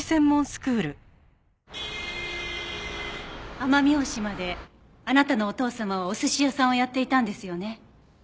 奄美大島であなたのお父様はお寿司屋さんをやっていたんですよね？